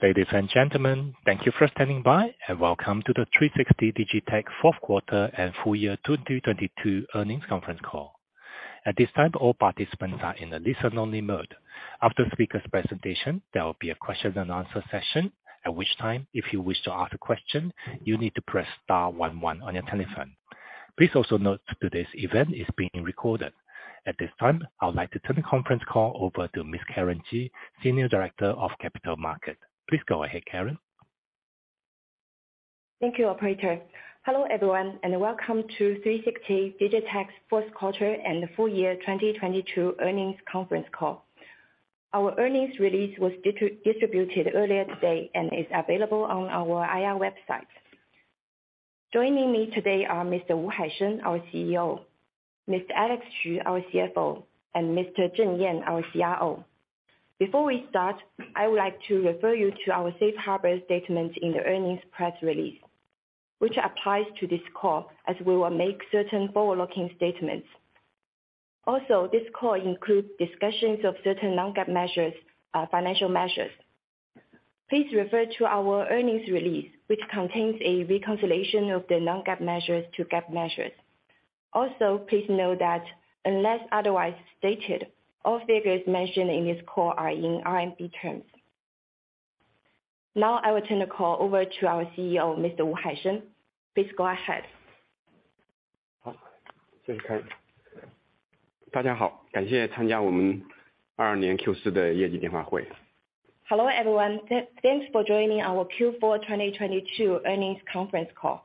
Ladies and gentlemen, thank you for standing by, and welcome to the 360 DigiTech fourth quarter and full year 2022 earnings conference call. At this time, all participants are in a listen-only mode. After the speaker's presentation, there will be a question and answer session, at which time, if you wish to ask a question, you need to press star one one on your telephone. Please also note today's event is being recorded. At this time, I would like to turn the conference call over to Ms. Karen Ji, Senior Director of Capital Markets. Please go ahead, Karen. Thank you, operator. Hello, everyone, and welcome to 360 DigiTech's fourth quarter and full year 2022 earnings conference call. Our earnings release was distributed earlier today and is available on our IR website. Joining me today are Mr. Wu Haisheng, our CEO, Mr. Alex Xu, our CFO, and Mr. Zheng Yan, our CRO. Before we start, I would like to refer you to our Safe Harbor statement in the earnings press release, which applies to this call, as we will make certain forward-looking statements. Also, this call includes discussions of certain non-GAAP financial measures. Please refer to our earnings release, which contains a reconciliation of the non-GAAP measures to GAAP measures. Also, please note that unless otherwise stated, all figures mentioned in this call are in RMB terms. Now, I will turn the call over to our CEO, Mr. Wu Haisheng. Please go ahead. Hello, everyone. Thanks for joining our Q4 2022 earnings conference call.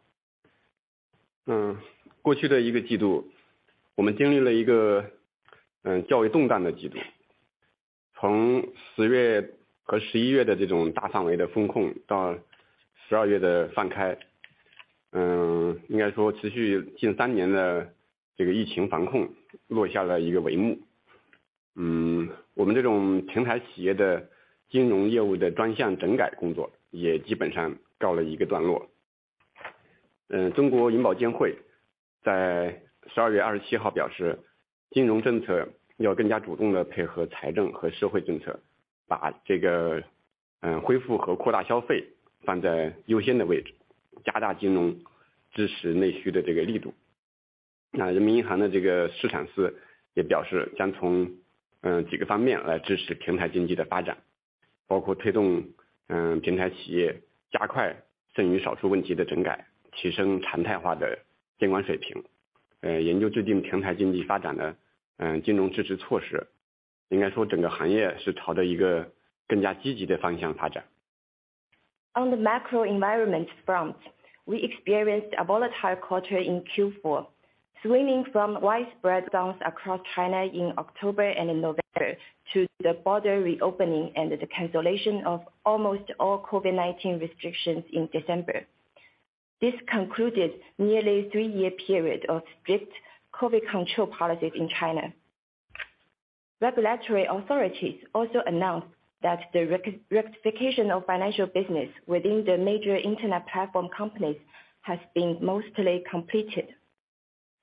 On the macro environment front, we experienced a volatile quarter in Q4, swinging from widespread lockdowns across China in October and in November to the border reopening and the cancellation of almost all COVID-19 restrictions in December. This concluded nearly three-year period of strict COVID control policies in China. Regulatory authorities also announced that the rectification of financial business within the major internet platform companies has been mostly completed.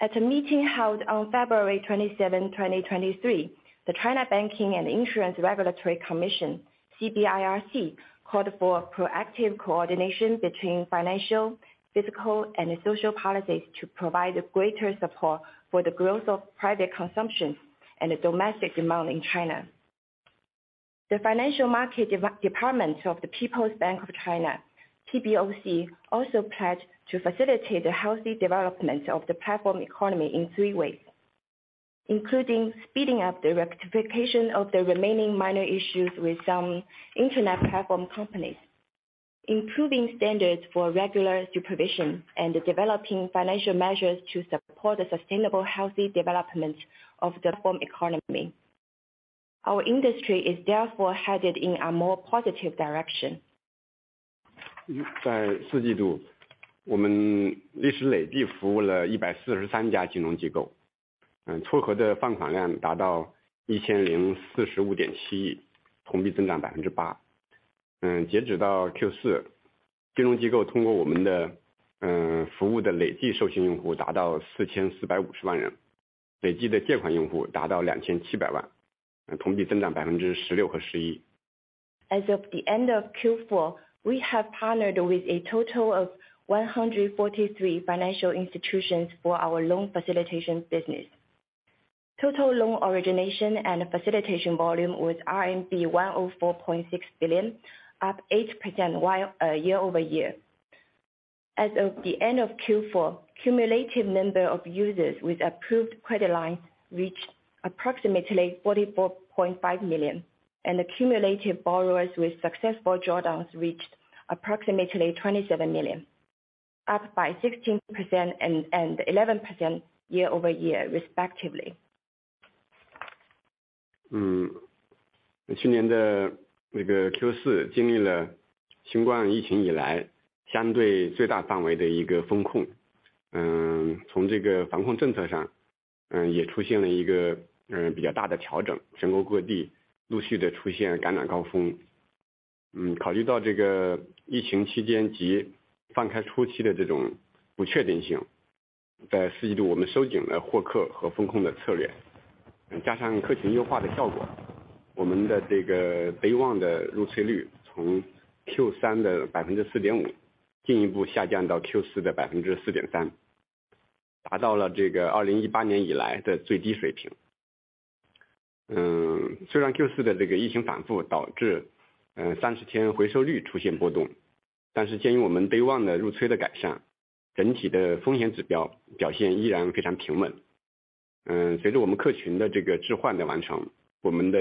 At a meeting held on February 27, 2023, the China Banking and Insurance Regulatory Commission, CBIRC, called for proactive coordination between financial, physical and social policies to provide greater support for the growth of private consumption and domestic demand in China. The Financial Market Department of the People's Bank of China, PBOC, also pledged to facilitate the healthy development of the platform economy in three ways, including speeding up the rectification of the remaining minor issues with some internet platform companies, improving standards for regular supervision, and developing financial measures to support the sustainable, healthy development of the platform economy. Our industry is therefore headed in a more positive direction. 在四季度我们收紧了获客和风控的策 略， 加上客群优化的效果，我们的这个 Day 1的入催率从 Q3 的百分之四点五进一步下降到 Q4 的百分之四点 三， 达到了这个2018年以来的最低水平。嗯， 虽然 Q4 的这个疫情反复导 致， 呃， 三十天回收率出现波 动， 但是鉴于我们 Day 1的入催的改 善， 整体的风险指标表现依然非常平稳。嗯， 随着我们客群的这个置换的完 成， 我们的定价逐渐趋于平稳。Q4 的平均定价与 Q3 持平。In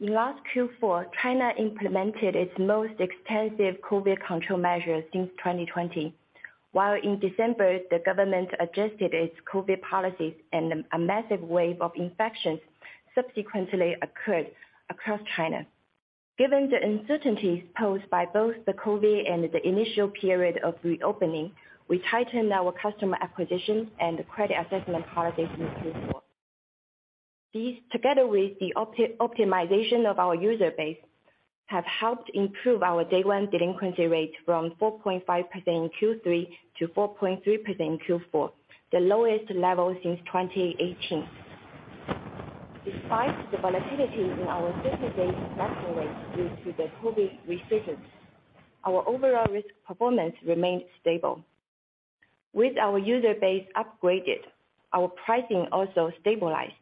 last Q4, China implemented its most extensive COVID control measures since 2020. In December, the government adjusted its COVID policies and a massive wave of infections subsequently occurred across China. Given the uncertainties posed by both the COVID and the initial period of reopening, we tightened our customer acquisition and credit assessment policies in Q4. These, together with the optimization of our user base, have helped improve our day-one delinquency rate from 4.5% in Q3 to 4.3% in Q4, the lowest level since 2018. Despite the volatility in our 30-day natural rates due to the COVID resurgence, our overall risk performance remained stable. With our user base upgraded, our pricing also stabilized.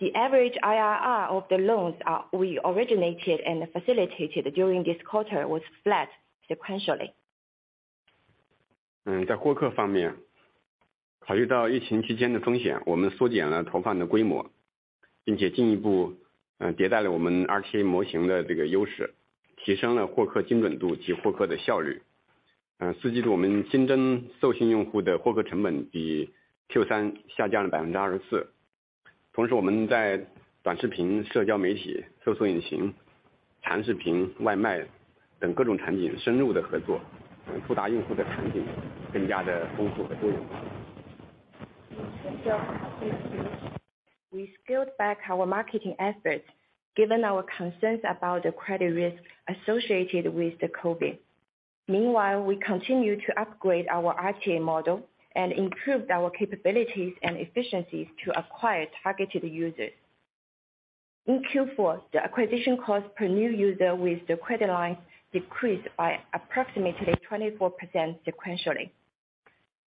The average IRR of the loans we originated and facilitated during this quarter was flat sequentially. 在获客方 面， 考虑到疫情期间的风 险， 我们缩减了投放的规 模， 并且进一步迭代了我们 RTA 模型的这个优 势， 提升了获客精准度及获客的效率。Q4 我们新增授信用户的获客成本比 Q3 下降了 24%。同时我们在短视频、社交媒体、搜索引擎、长视频、外卖等各种产品深入的合 作， 触达用户的场景更加的丰富和多元。We scaled back our marketing efforts given our concerns about the credit risk associated with the COVID. Meanwhile, we continue to upgrade our RTA model and improved our capabilities and efficiencies to acquire targeted users. In Q4, the acquisition cost per new user with the credit line decreased by approximately 24% sequentially.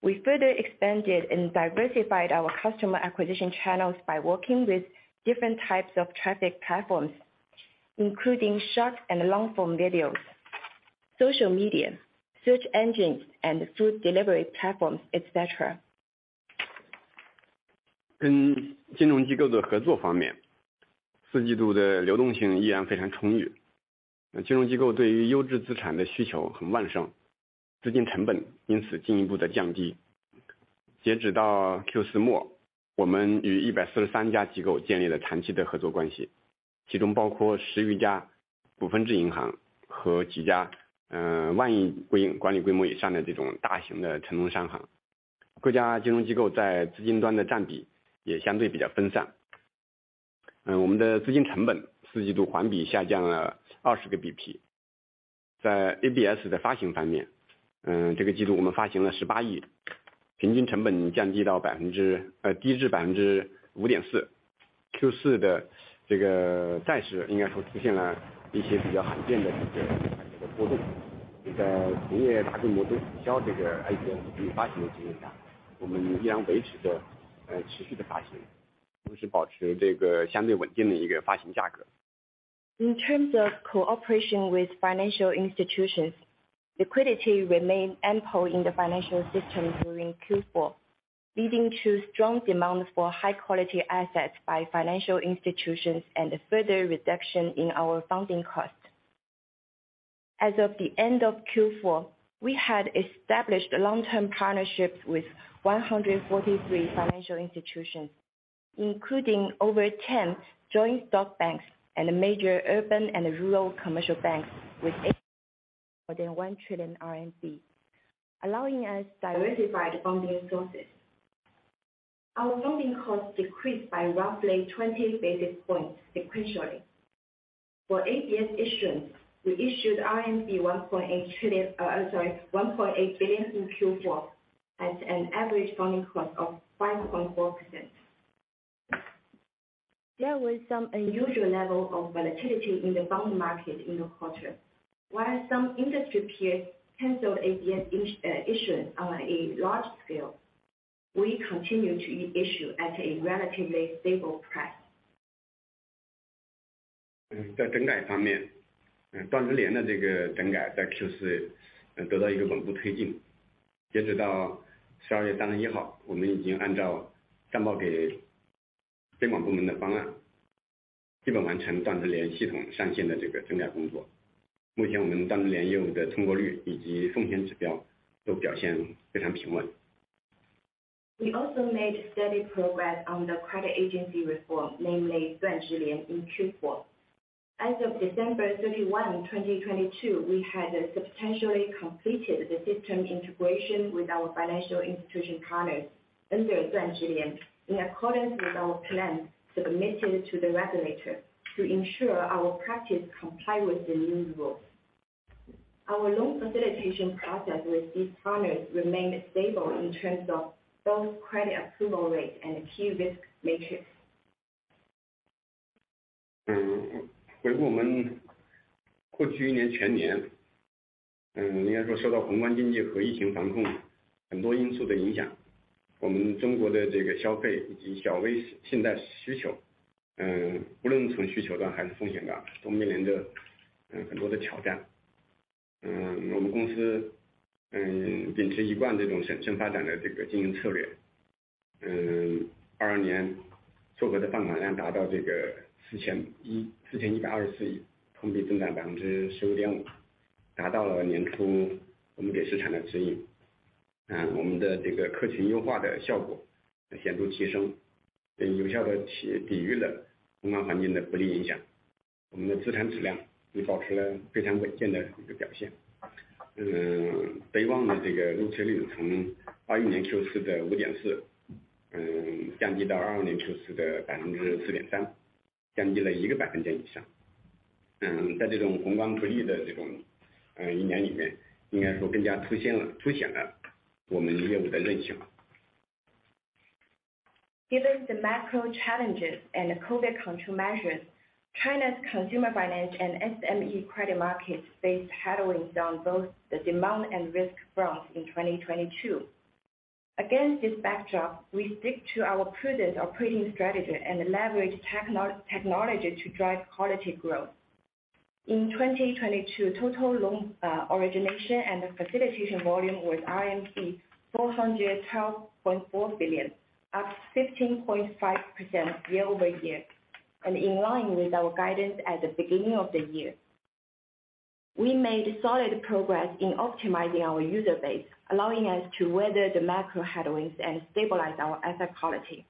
We further expanded and diversified our customer acquisition channels by working with different types of traffic platforms, including short and long form videos, social media, search engines, and food delivery platforms, etc. 跟金融机构的合作方 面， 四季度的流动性依然非常充 裕， 金融机构对于优质资产的需求很旺 盛， 资金成本因此进一步的降低。截止到 Q4 末， 我们与143家机构建立了长期的合作关 系， 其中包括十余家股份制银行和几家 RMB 1 trillion 归因管理规模以上的这种大型的城农商行。各家金融机构在资金端的占比也相对比较分散。我们的资金成本四季度环比下降了20 BP。在 ABS 的发行方 面， 这个季度我们发行了 RMB 1.8 billion， 平均成本低至 5.4%。Q4 的这个债市应该说出现了一些比较罕见的这个波动。在行业大多数都取消这个 ABS 发行的情形 下， 我们依然维持着持续的发 行， 同时保持这个相对稳定的一个发行价格。In terms of cooperation with financial institutions, liquidity remained ample in the financial system during Q4, leading to strong demand for high quality assets by financial institutions and a further reduction in our funding costs. As of the end of Q4, we had established long-term partnerships with 143 financial institutions, including over 10 joint stock banks and major urban and rural commercial banks with more than 1 trillion RMB, allowing us diversified funding sources. Our funding costs decreased by roughly 20 basis points sequentially. For ABS issuance, we issued 1.8 billion in Q4 at an average funding cost of 5.4%. There was some unusual level of volatility in the bond market in the quarter. While some industry peers canceled ABS issue on a large scale, we continued to issue at a relatively stable price. 在整改方 面， 断直连的这个整改在 Q4， 得到一个稳步推进。截止到 December 31， 我们已经按照上报给监管部门的方 案， 基本完成断直连系统上线的这个整改工作。目前我们断直连业务的通过率以及风险指标都表现非常平稳。We also made steady progress on the credit agency reform, namely Duan Zhilian, in Q4. As of December 31, 2022, we had substantially completed the system integration with our financial institution partners under Duan Zhilian in accordance with our plans submitted to the regulator to ensure our practice comply with the new rules. Our loan facilitation process with these partners remained stable in terms of both credit approval rates and key risk metrics. 回顾我们过去一年全 年， 应该说受到宏观经济和 COVID-19 防控很多因素的影 响， 我们中国的这个消费以及小微信贷需 求， 不论从需求端还是风险 端， 都面临着很多的挑战。我们公司秉持一贯这种审慎发展的这个经营策略。2022年综合的放款量达到这个 RMB 4,124 亿， 同比增长 15.5%， 达到了年初我们给市场的指引。我们的这个客群优化的效果显著提 升， effectively 抵御了宏观环境的不利影响。我们的资产质量也保持了非常稳健的一个表现。呆旺的这个漏催率从2021 Q4 的 5.4%， 降低到2022 Q4 的 4.3%， 降低了1个 percentage point 以上。在这种宏观不利的这种一年里 面， 应该说更加凸显了我们业务的韧性。Given the macro challenges and COVID-19 control measures, China's consumer finance and SME credit markets face headwind on both the demand and risk fronts in 2022. Against this backdrop, we stick to our prudent operating strategy and leverage technology to drive quality growth. In 2022 total loan origination and facilitation volume was 412.4 billion, up 15.5% year-over-year and in line with our guidance at the beginning of the year. We made solid progress in optimizing our user base, allowing us to weather the macro headwinds and stabilize our asset quality.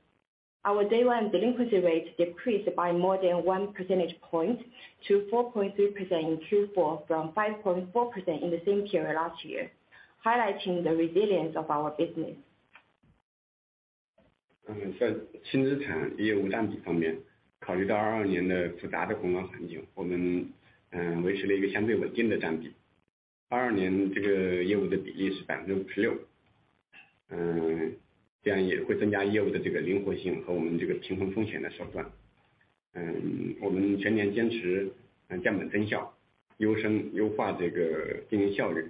Our day-one delinquency rate decreased by more than one percentage point to 4.3% in Q4 from 5.4% in the same period last year, highlighting the resilience of our business. 嗯在轻资产业务占比方 面， 考虑到二二年的复杂的宏观环 境， 我们嗯维持了一个相对稳定的占比。二二年这个业务的比例是百分之五十六。嗯这样也会增加业务的这个灵活性和我们这个平衡风险的手段。嗯我们全年坚持降本增 效， 提升优化这个经营效率。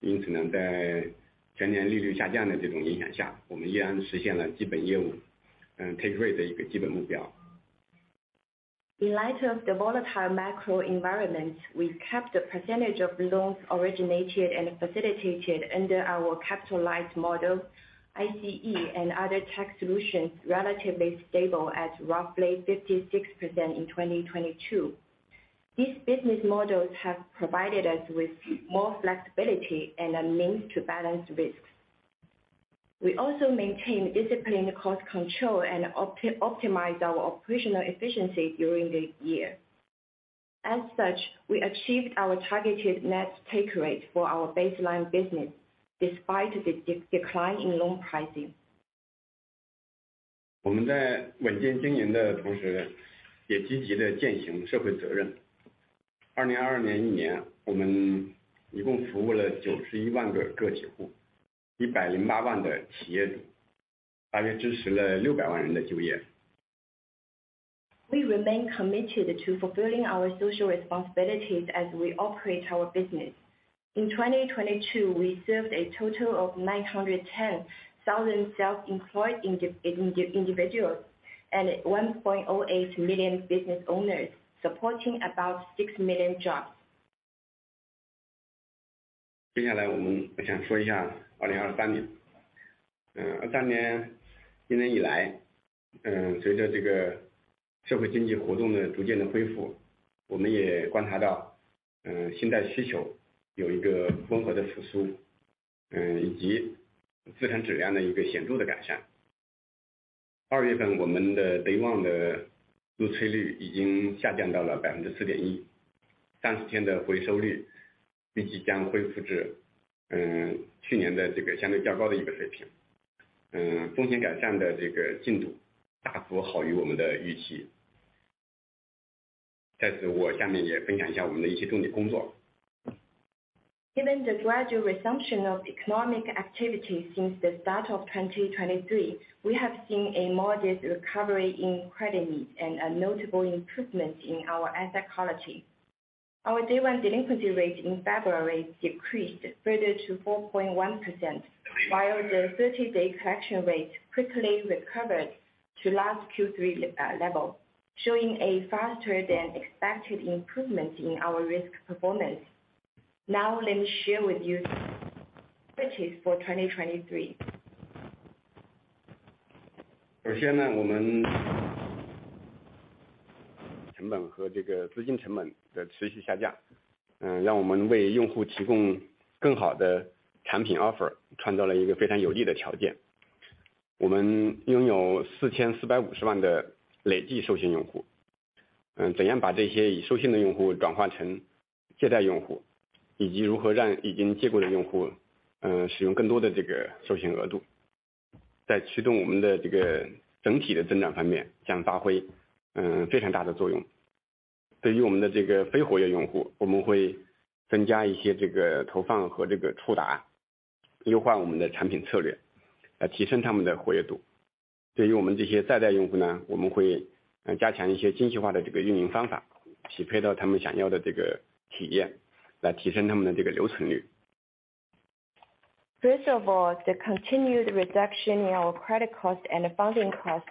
因此呢在全年利率下降的这种影响 下， 我们依然实现了基本业务 take rate 的一个基本目标。In light of the volatile macro environment, we've kept the percentage of loans originated and facilitated under our capitalized model ICE and other tech solutions relatively stable at roughly 56% in 2022. These business models have provided us with more flexibility and a means to balance risks. We also maintain disciplined cost control and optimize our operational efficiency during the year. As such, we achieved our targeted net take rate for our baseline business despite the decline in loan pricing. 我们在稳健经营的同 时， 也积极地践行社会责任。2022年一 年， 我们一共服务了 910,000 个个体 户， 1,080,000 的企 业， 大约支持了 6,000,000 人的就业。We remain committed to fulfilling our social responsibilities as we operate our business. In 2022, we served a total of 910,000 self-employed individuals and 1.08 million business owners supporting about six million jobs. 接下来我想说一下2023 年。2023年一年以 来， 随着这个社会经济活动的逐渐的恢 复， 我们也观察到信贷需求有一个温和的复 苏， 以及资产质量的一个显著的改善。二月份我们的 day-one delinquency rate 已经下降到了 4.1%， 30-day collection rate 预计将恢复至去年的这个相对较高的一个水平。风险改善的这个进度大幅好于我们的预期。在此我下面也分享一下我们的一些重点工作。Given the gradual resumption of economic activity since the start of 2023, we have seen a modest recovery in credit needs and a notable improvement in our asset quality. Our day-one delinquency rate in February decreased further to 4.1%, while the 30-day collection rate quickly recovered to last Q3 level, showing a faster than expected improvement in our risk performance. Let me share with you our priorities for 2023. 首先 呢， 我 们... 成本和这个资金成本的持续下 降， 让我们为用户提供更好的产品 offer， 创造了一个非常有利的条件。我们拥有 RMB 44.5 million 的累计授信用 户， 怎样把这些已授信的用户转化成借贷用 户， 以及如何让已经借过的用户使用更多的这个授信额度。在驱动我们的这个整体的增长方面将发 挥， 非常大的作用。对于我们的这个非活跃用 户， 我们会增加一些这个投放和这个触 达， 优化我们的产品策 略， 来提升他们的活跃度。对于我们这些在贷用户 呢， 我们会加强一些精细化的这个运营方 法， 匹配到他们想要的这个体 验， 来提升他们的这个留存率。First of all, the continued reduction in our credit cost and funding cost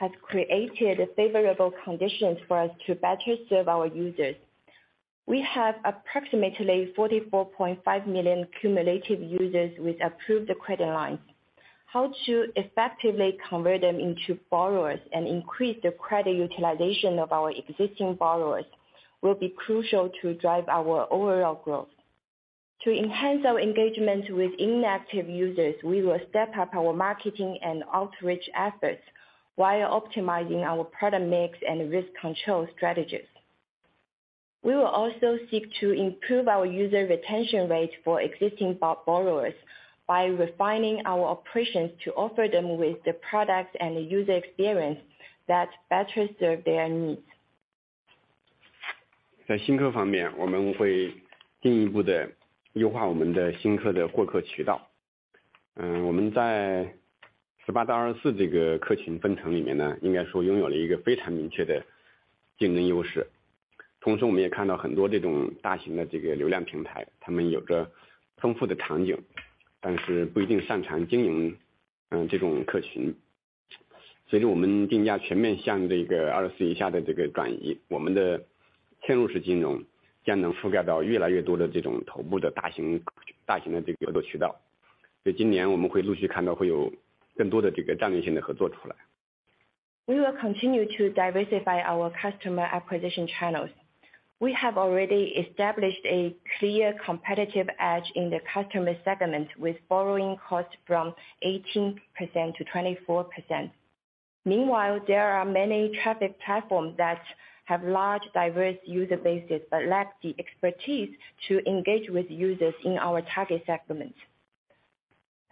has created favorable conditions for us to better serve our users. We have approximately 44.5 million cumulative users with approved credit lines. How to effectively convert them into borrowers and increase the credit utilization of our existing borrowers will be crucial to drive our overall growth. To enhance our engagement with inactive users, we will step up our marketing and outreach efforts while optimizing our product mix and risk control strategies. We will also seek to improve our user retention rate for existing borrowers by refining our operations to offer them with the products and user experience that better serve their needs. 在新客方 面， 我们会进一步地优化我们的新客的获客渠道。我们在18到24这个客群分层里面 呢， 应该说拥有了一个非常明确的竞争优势。同时我们也看到很多这种大型的这个流量平 台， 他们有着丰富的场 景， 但是不一定擅长经 营， 这种客群。随着我们定价全面向这个24以下的这个转 移， 我们的嵌入式金融将能覆盖到越来越多的这种头部的大型的这个合作渠道。今年我们会陆续看到会有更多的这个战略性的合作出来。We will continue to diversify our customer acquisition channels. We have already established a clear competitive edge in the customer segment with borrowing costs from 18%-24%. Meanwhile, there are many traffic platforms that have large, diverse user bases but lack the expertise to engage with users in our target segments.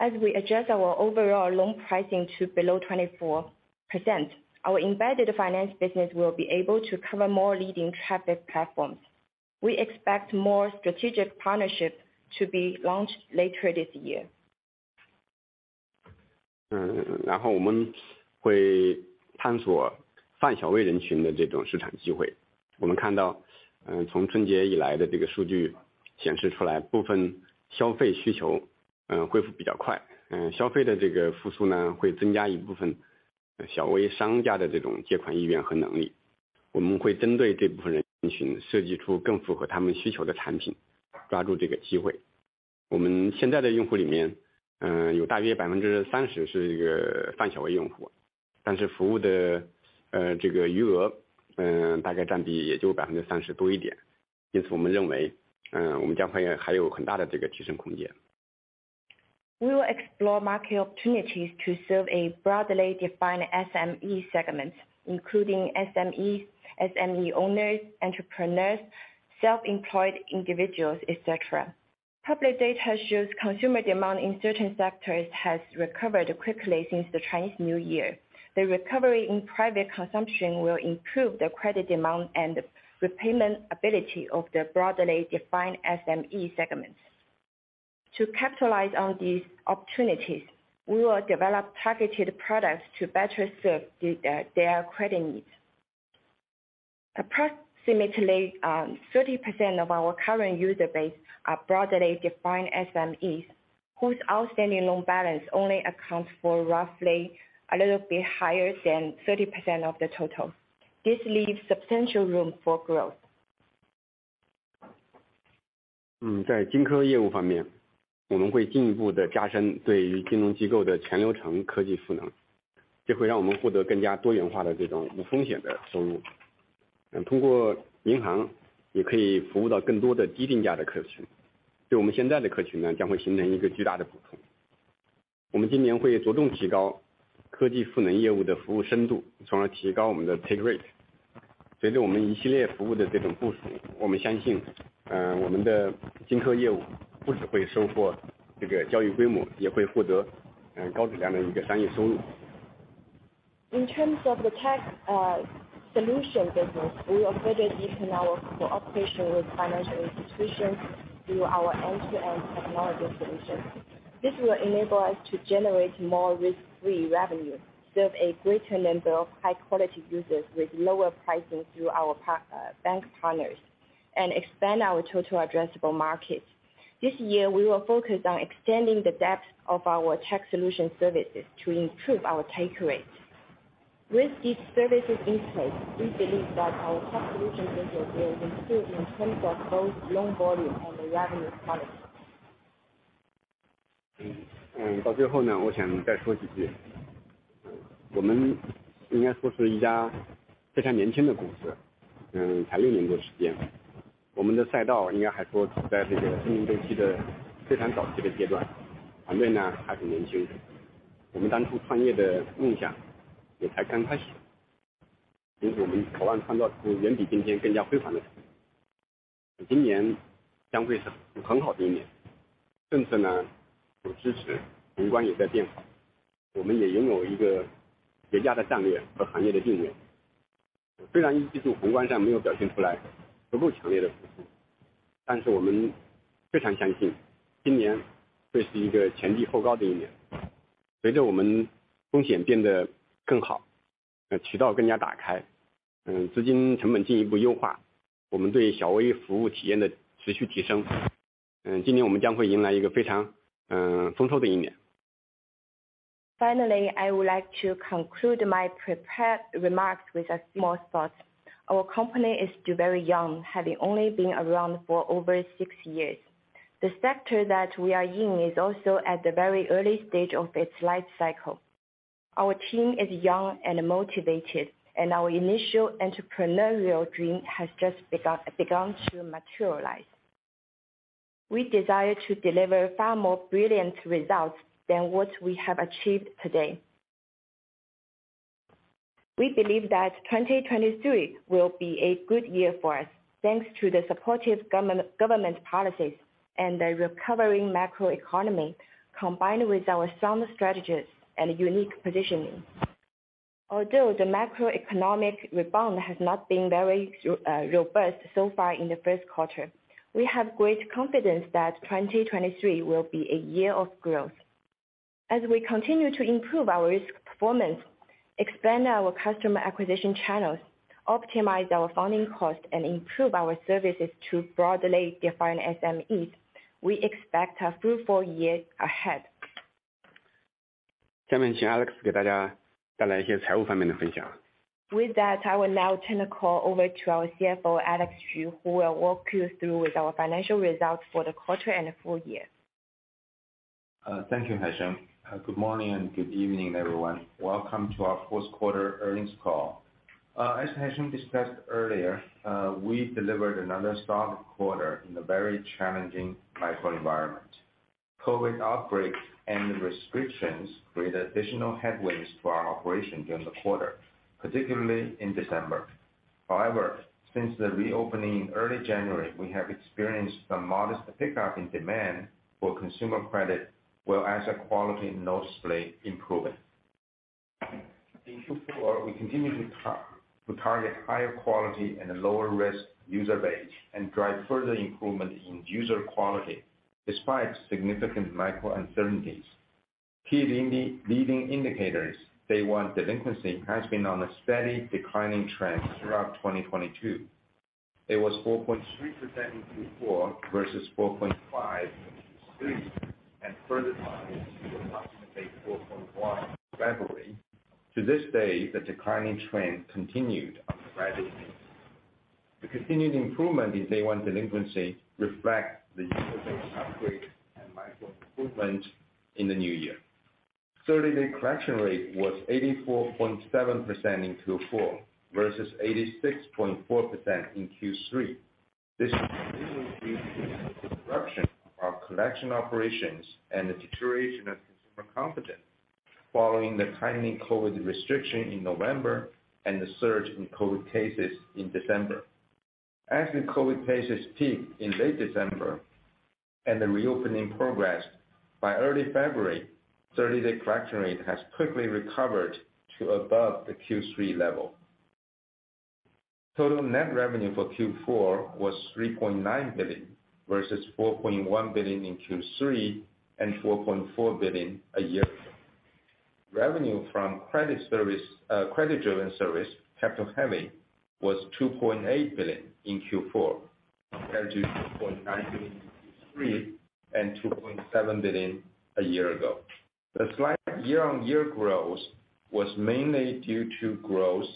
As we adjust our overall loan pricing to below 24%, our embedded finance business will be able to cover more leading traffic platforms. We expect more strategic partnership to be launched later this year. 然后我们会探索泛小微人群的这种市场机会。我们看 到， 从春节以来的这个数据显示出来部分消费需求，恢复比较 快， 消费的这个复苏 呢， 会增加一部分小微商家的这种借款意愿和能力。我们会针对这部分人群设计出更符合他们需求的产 品， 抓住这个机会。我们现在的用户里 面， 有大约 30% 是一个泛小微用 户， 但是服务 的， 这个余 额， 大概占比也就 30%多 一点。因此我们认 为， 我们将会 有， 还有很大的这个提升空间。We will explore market opportunities to serve a broadly defined SME segment, including SMEs, SME owners, entrepreneurs, self-employed individuals, etc. Public data shows consumer demand in certain sectors has recovered quickly since the Chinese New Year. The recovery in private consumption will improve the credit demand and repayment ability of the broadly defined SME segments. To capitalize on these opportunities, we will develop targeted products to better serve their credit needs. Approximately, 30% of our current user base are broadly defined SMEs whose outstanding loan balance only accounts for roughly a little bit higher than 30% of the total. This leaves substantial room for growth. 在金科业务方 面, 我们会进一步地加深对于金融机构的前流程科技赋 能, 这会让我们获得更加多元化的这种无风险的收 入. 通过银行也可以服务到更多的低定价的客 群, 对我们现在的客群 呢, 将会形成一个巨大的补 充. 我们今年会着重提高科技赋能业务的服务深 度, 从而提高我们的 take rate. 随着我们一系列服务的这种部 署, 我们相 信, 我们的金科业务不只会收获这个交易规 模, 也会获 得, 高质量的一个商业收 入. In terms of the tech solution business, we will further deepen our cooperation with financial institutions through our end-to-end technology solutions. This will enable us to generate more risk-free revenue, serve a greater number of high quality users with lower pricing through our bank partners, and expand our total addressable market. This year, we will focus on extending the depth of our tech solution services to improve our take rate. With these services in place, we believe that our tech solution business will improve in terms of both loan volume and revenue quality. 嗯， 到最后 呢， 我想再说几句。我们应该说是一家非常年轻的公 司， 嗯， 才六年多时间。我们的赛道应该还说处在这个互联网经济的非常早期的阶段。团队 呢， 还很年 轻， 我们当初创业的梦想也才刚刚开 始， 也许我们渴望创造出远比今天更加辉煌的成就今年将会是很好的一年。政策 呢， 有支 持， 宏观也在变好。我们也拥有一个独家的战略和行业的定位。虽然一季度宏观上没有表现出来足够强烈的复 苏， 但是我们非常相信今年会是一个前低后高的一年。随着我们风险变得更 好， 渠道更加打 开， 资金成本进一步优 化， 我们对小微服务体验的持续提 升， 今年我们将会迎来一个非 常， 呃， 丰收的一年。I would like to conclude my prepared remarks with a small thought. Our company is still very young, having only been around for over six years. The sector that we are in is also at the very early stage of its life cycle. Our team is young and motivated, our initial entrepreneurial dream has just begun to materialize. We desire to deliver far more brilliant results than what we have achieved today. We believe that 2023 will be a good year for us, thanks to the supportive government policies and a recovering macro economy, combined with our sound strategies and unique positioning. The macroeconomic rebound has not been very robust so far in the first quarter, we have great confidence that 2023 will be a year of growth. As we continue to improve our risk performance, expand our customer acquisition channels, optimize our funding costs, and improve our services to broadly defined SMEs, we expect a fruitful year ahead. 下面请 Alex 给大家带来一些财务方面的分 享. With that, I will now turn the call over to our CFO, Alex Xu, who will walk you through with our financial results for the quarter and full year. Thank you, Haisheng. Good morning and good evening, everyone. Welcome to our fourth quarter earnings call. As Haisheng discussed earlier, we delivered another strong quarter in a very challenging macro environment. COVID outbreaks and restrictions created additional headwinds to our operations during the quarter, particularly in December. Since the reopening in early January, we have experienced some modest pickup in demand for consumer credit, while asset quality noticeably improving. In Q4, we continued to target higher quality and lower risk user base and drive further improvement in user quality despite significant macro uncertainties. Key leading indicators, day-one delinquency has been on a steady declining trend throughout 2022. It was 4.3% in Q4 versus 4.5% in Q3, and further declined to an estimated 4.1% in February. To this day, the declining trend continued on a gradually. The continued improvement in day-one delinquency reflects the user base upgrade and macro improvement in the new year. Thirty-day collection rate was 84.7% in Q4, versus 86.4% in Q3. This disruption of collection operations and the deterioration of consumer confidence following the tightening COVID-19 restriction in November and the surge in COVID-19 cases in December. As the COVID-19 cases peaked in late December and the reopening progressed, by early February, 30-day collection rate has quickly recovered to above the Q3 level. Total net revenue for Q4 was 3.9 billion, versus 4.1 billion in Q3 and 4.4 billion a year ago. Revenue from credit service, credit-driven service, capital heavy, was 2.8 billion in Q4, compared to 2.9 billion in Q3 and 2.7 billion a year ago. The slight year-on-year growth was mainly due to growth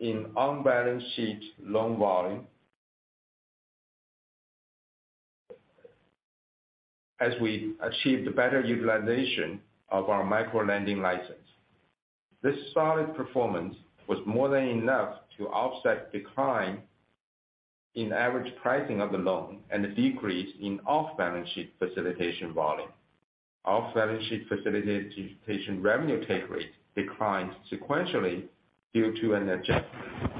in on-balance sheet loan volume. As we achieved better utilization of our macro-lending license. This solid performance was more than enough to offset decline in average pricing of the loan and the decrease in off-balance sheet facilitation volume. Off-balance sheet facilitation revenue take rate declined sequentially due to an adjustment.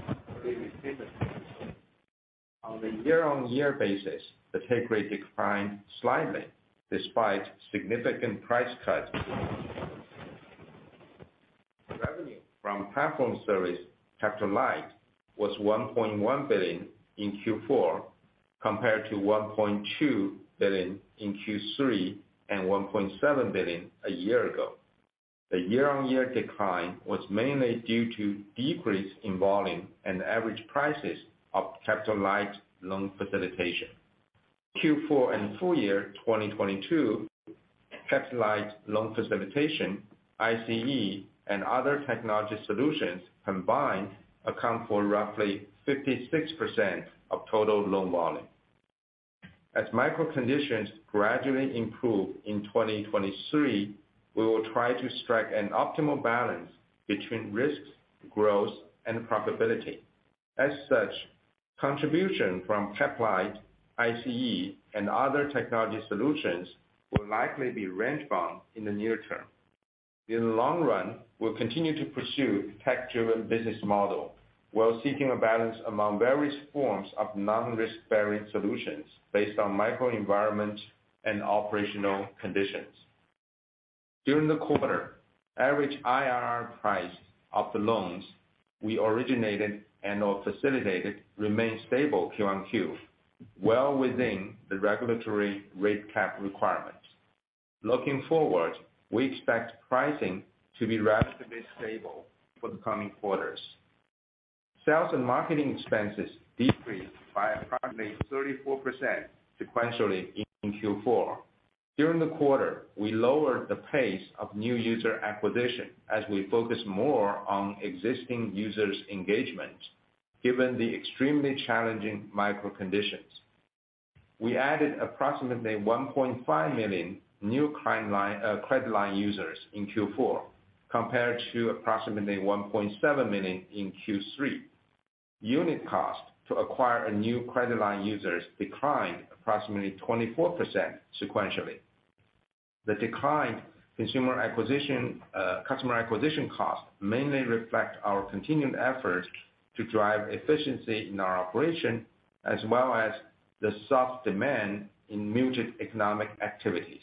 On a year-on-year basis, the take rate declined slightly despite significant price cuts. Revenue from platform service, capital light was 1.1 billion in Q4, compared to 1.2 billion in Q3 and 1.7 billion a year ago. The year-on-year decline was mainly due to decrease in volume and average prices of capital-light loan facilitation. Q4 and full year 2022, capital-light loan facilitation, ICE and other technology solutions combined account for roughly 56% of total loan volume. As macro conditions gradually improve in 2023, we will try to strike an optimal balance between risks, growth, and profitability. Contribution from capital-light, ICE and other technology solutions will likely be range bound in the near term. In the long run, we'll continue to pursue tech-driven business model while seeking a balance among various forms of non-risk-bearing solutions based on macro environment and operational conditions. During the quarter, average IRR price of the loans we originated and/or facilitated remained stable Q-on-Q, well within the regulatory rate cap requirements. Looking forward, we expect pricing to be relatively stable for the coming quarters. Sales and marketing expenses decreased by approximately 34% sequentially in Q4. During the quarter, we lowered the pace of new user acquisition as we focused more on existing users' engagement, given the extremely challenging macro conditions. We added approximately 1.5 million new credit line users in Q4, compared to approximately 1.7 million in Q3. Unit cost to acquire a new credit line users declined approximately 24% sequentially. The decline customer acquisition cost mainly reflect our continued effort to drive efficiency in our operation, as well as the soft demand in muted economic activities.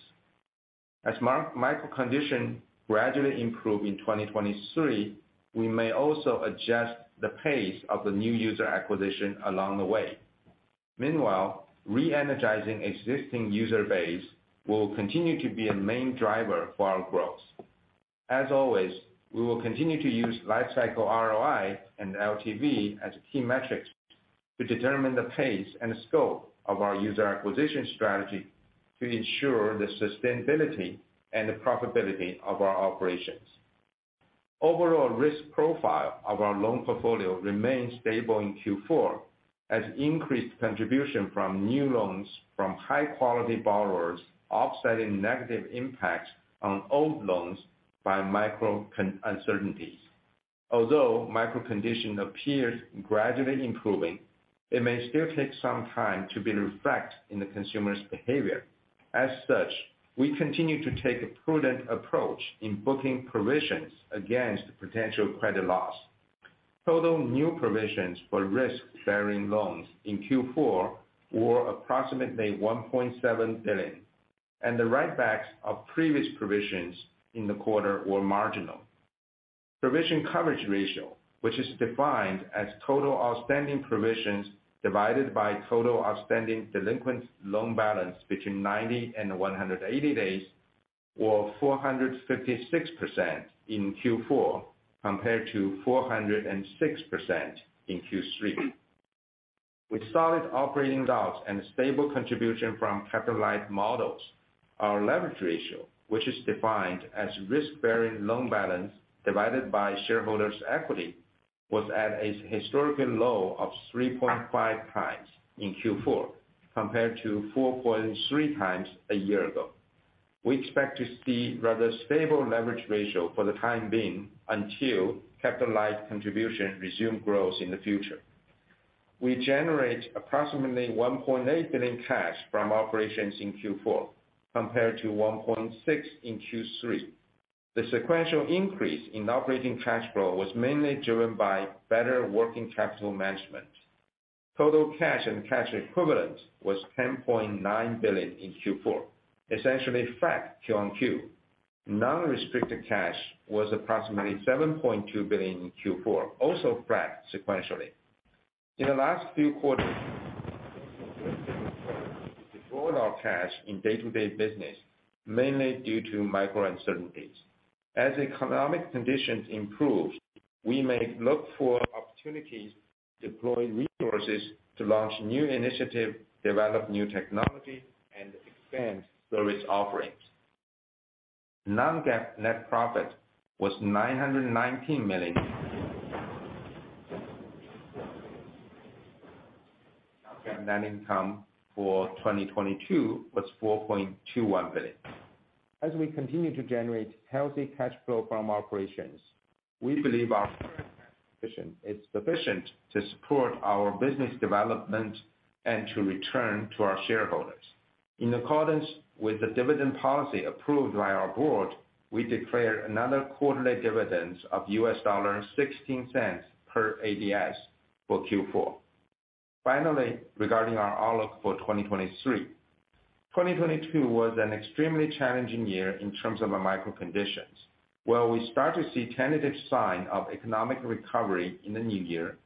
As macro condition gradually improve in 2023, we may also adjust the pace of the new user acquisition along the way. Meanwhile, re-energizing existing user base will continue to be a main driver for our growth. As always, we will continue to use lifecycle ROI and LTV as key metrics to determine the pace and scope of our user acquisition strategy to ensure the sustainability and the profitability of our operations. Overall risk profile of our loan portfolio remained stable in Q4, as increased contribution from new loans from high-quality borrowers offsetting negative impacts on old loans by macro uncertainties. Although macro condition appears gradually improving, it may still take some time to be reflect in the consumer's behavior. As such, we continue to take a prudent approach in booking provisions against potential credit loss. Total new provisions for risk-bearing loans in Q4 were approximately 1.7 billion, and the write-backs of previous provisions in the quarter were marginal. Provision coverage ratio, which is defined as total outstanding provisions divided by total outstanding delinquent loan balance between 90 and 180 days, were 456% in Q4, compared to 406% in Q3. With solid operating loans and stable contribution from capitalized models, our leverage ratio, which is defined as risk-bearing loan balance divided by shareholders' equity, was at a historically low of 3.5 times in Q4, compared to 4.3 times a year ago. We expect to see rather stable leverage ratio for the time being until capitalized contribution resume growth in the future. We generate approximately 1.8 billion cash from operations in Q4, compared to 1.6 billion in Q3. The sequential increase in operating cash flow was mainly driven by better working capital management. Total cash and cash equivalents was 10.9 billion in Q4, essentially flat Q-on-Q. Non-restricted cash was approximately 7.2 billion in Q4, also flat sequentially. In the last few quarters deployed our cash in day-to-day business, mainly due to macro uncertainties. As economic conditions improve, we may look for opportunities to deploy resources to launch new initiative, develop new technology and expand service offerings. Non-GAAP net profit was 919 million. Non-GAAP net income for 2022 was 4.21 billion. As we continue to generate healthy cash flow from operations, we believe our is sufficient to support our business development and to return to our shareholders. In accordance with the dividend policy approved by our board, we declare another quarterly dividend of 0.16 per ADS for Q4. Finally, regarding our outlook for 2023. 2022 was an extremely challenging year in terms of macro conditions. While we start to see tentative signs of economic recovery in the new year,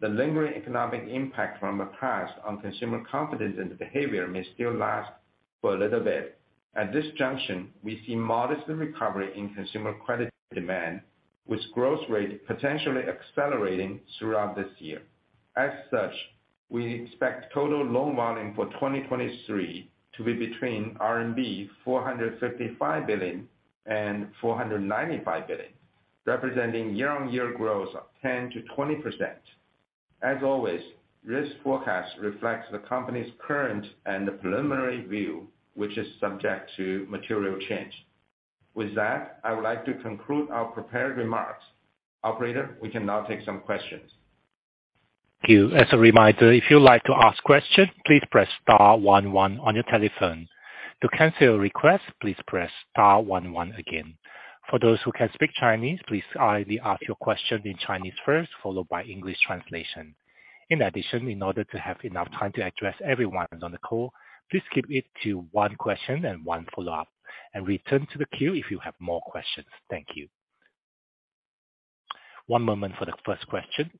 the lingering economic impact from the past on consumer confidence and behavior may still last for a little bit. At this junction, we see modest recovery in consumer credit demand, with growth rate potentially accelerating throughout this year. As such, we expect total loan volume for 2023 to be between RMB 455 billion and 495 billion, representing year-on-year growth of 10%-20%. As always, this forecast reflects the company's current and preliminary view, which is subject to material change. With that, I would like to conclude our prepared remarks. Operator, we can now take some questions. As a reminder if you like to ask questions please press star one one on your telephone. To cancel request please press star one one again. For those who can speak Chinese please kindly ask your question in Chinese first followed by English translation. In order to have enough time to address everyone on the call please keep it to one question and one follow-up and return to the queue if you have more questions. Thank you. One moment for the first question.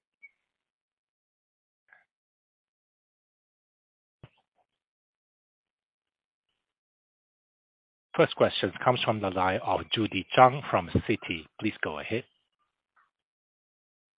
First question comes from the line of Judy Zhang from Citi. Please go ahead.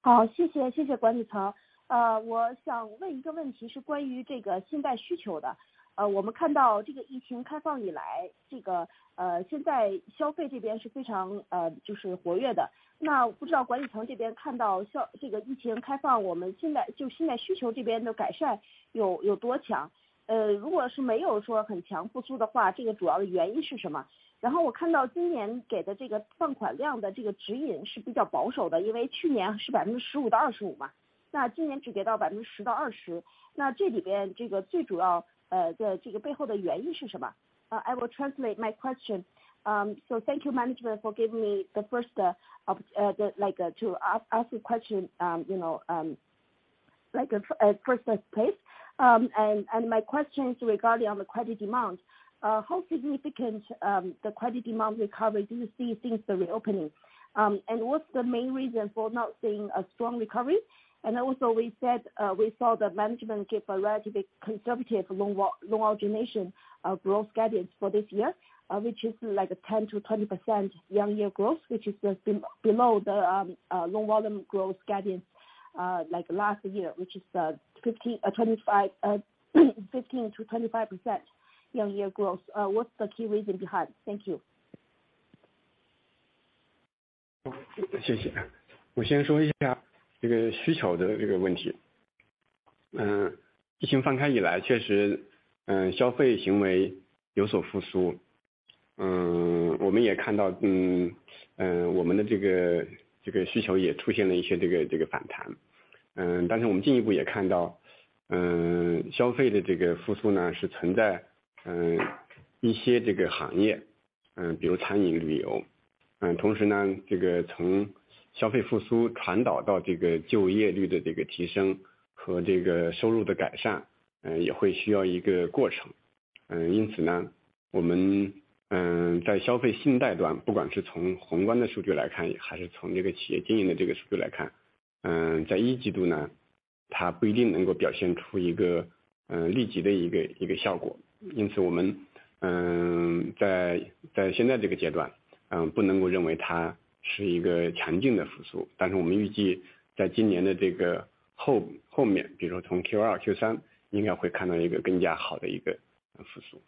好，谢谢，谢谢管理层。我想问一个问题，是关于这个信贷需求的。我们看到这个疫情开放以来，这个现在消费这边是非常就是活跃的，那不知道管理层这边看到像这个疫情开放，我们信贷需求这边的改善有多强？如果是没有说很强复苏的话，这个主要的原因是什么？我看到今年给的这个放款量的这个指引是比较保守的，因为去年是 15%-25% 嘛，那今年只给到 10%-20%，那这里边这个最主要这个背后的原因是什么？ I will translate my question. Thank you management for giving me the first like to ask a question you know like a first place. My question is regarding on the credit demand. How significant the credit demand recovery do you see since the reopening? What's the main reason for not seeing a strong recovery? Also we saw the management give a relatively conservative loan origination of growth guidance for this year, which is like a 10%-20% year-on-year growth, which is below the loan volume growth guidance like last year, which is 15%-25% year-on-year growth. What's the key reason behind? Thank you. 谢 谢， 我先说一下这个需求的这个问题。疫情放开以 来， 确实消费行为有所复 苏， 我们也看 到， 我们的需求也出现了一些反弹。但是我们进一步也看 到， 消费的这个复苏 呢， 是存在一些这个行 业， 比如餐饮、旅 游， 同时 呢， 这个从消费复苏传导到这个就业率的这个提升和这个收入的改 善， 也会需要一个过程。因此 呢， 我们在消费信贷 端， 不管是从宏观的数据来 看， 还是从这个企业经营的这个数据来看，在一季度 呢， 它不一定能够表现出一个立即的一个效果。因此我们在现在这个阶 段， 不能够认为它是一个强劲的复 苏， 但是我们预计在今年的后 面， 比如说从 Q2、Q3 应该会看到一个更加好的一个复苏。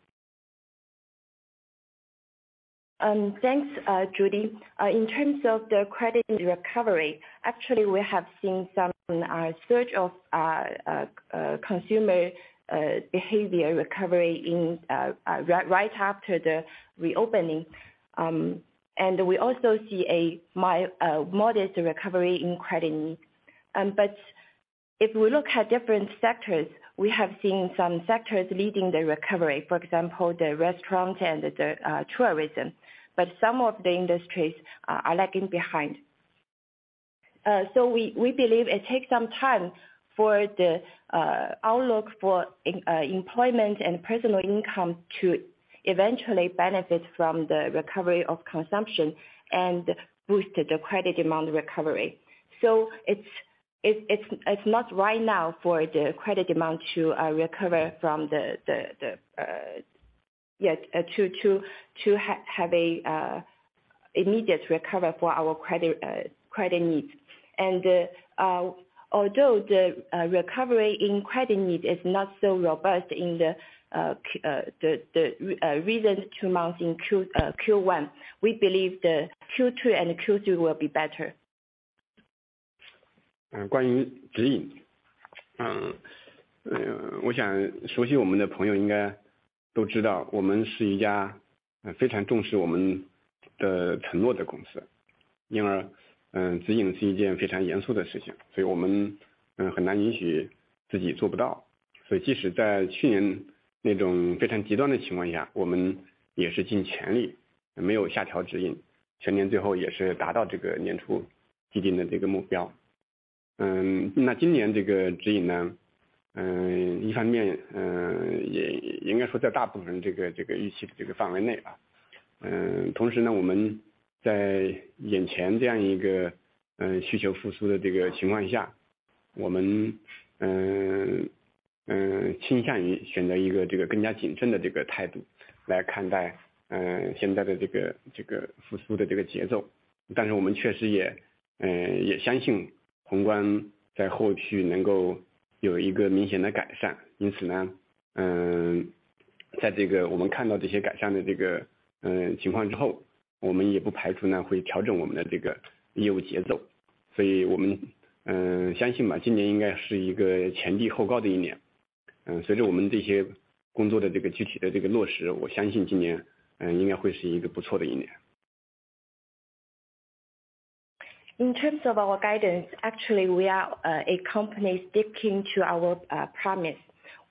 Thanks Judy. In terms of the credit recovery, actually we have seen some search of consumer behavior recovery in right after the reopening. We also see a modest recovery in credit need. But if we look at different sectors, we have seen some sectors leading the recovery, for example the restaurant and the tourism. But some of the industries are lagging behind. So we believe it takes some time for the outlook for employment and personal income to eventually benefit from the recovery of consumption and boost the credit demand recovery. So it's not right now for the credit demand to recover from the yet to have a immediate recover for our credit needs. Although the recovery in credit need is not so robust in the recent two months in Q1, we believe the Q2 and Q3 will be better. 关于指 引， 我想熟悉我们的朋友应该都知道我们是一家非常重视我们的承诺的公司。指引是一件非常严肃的事 情， 我们很难允许自己做不到。即使在去年那种非常极端的情况 下， 我们也是尽全力没有下调指 引， 全年最后也是达到这个年初制定的这个目标。那今年这个指引呢，一方面也应该说在大部分这个预期这个范围内吧。同时 呢， 我们在眼前这样一个需求复苏的这个情况 下， 我们倾向于选择一个这个更加谨慎的这个态度来看待现在的这个复苏的这个节奏。我们确实也相信宏观在后续能够有一个明显的改善。在这个我们看到这些改善的这个情况之 后， 我们也不排除呢会调整我们的这个业务节奏。我们相信 吧， 今年应该是一个前低后高的一年。随着我们这些工作的这个具体的这个落 实， 我相信今年应该会是一个不错的一年。In terms of our guidance. Actually we are a company sticking to our promise.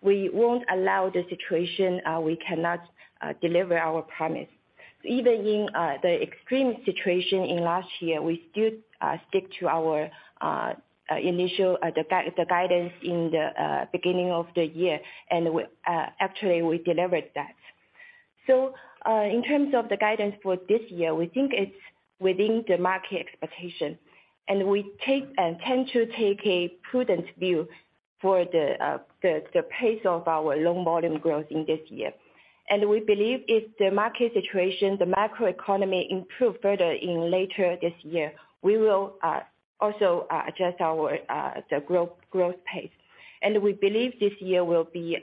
We won't allow the situation we cannot deliver our promise. Even in the extreme situation in last year, we still stick to our initial the guidance in the beginning of the year. We actually we delivered that. In terms of the guidance for this year, we think it's within the market expectation, and we tend to take a prudent view for the pace of our loan volume growth in this year. We believe if the market situation, the macro economy improved further in later this year, we will also adjust our the growth pace. We believe this year will be